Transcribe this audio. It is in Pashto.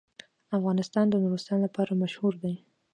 افغانستان د نورستان لپاره مشهور دی.